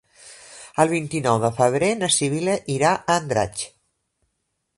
El vint-i-nou de febrer na Sibil·la irà a Andratx.